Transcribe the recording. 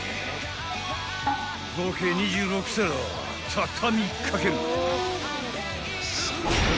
［合計２６皿畳み掛ける！］